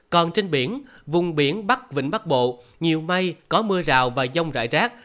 còn trên biển vùng biển bắc vịnh bắc bộ nhiều mây có mưa rào và dông rải rác